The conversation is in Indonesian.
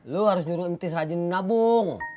lu harus nyuruh entis rajin nabung